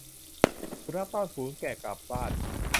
สุนัขต้อนฝูงแกะกลับบ้าน